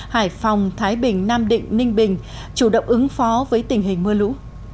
hải phòng thái bình nam định ninh bình chủ động ứng phó với tình hình mưa lũ